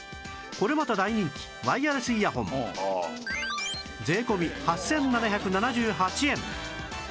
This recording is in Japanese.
これまた大人気ワイヤレスイヤホン税込み８７７８円